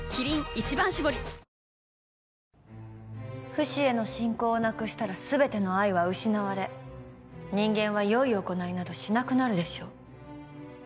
不死への信仰をなくしたら全ての愛は失われ人間は善い行いなどしなくなるでしょう。